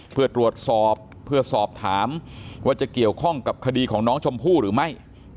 เพื่อตรวจสอบเพื่อสอบถามว่าจะเกี่ยวข้องกับคดีของน้องชมพู่หรือไม่